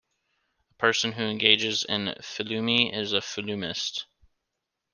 A person who engages in phillumeny is a "phillumenist".